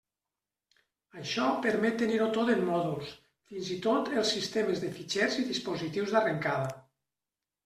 Això permet tenir-ho tot en mòduls, fins i tot els sistemes de fitxers i dispositius d'arrencada.